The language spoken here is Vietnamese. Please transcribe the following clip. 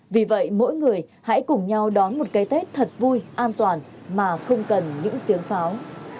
vì vậy mỗi người hãy cùng nhau đón một cái tết thật vui an toàn mà không cần những tiếng pháo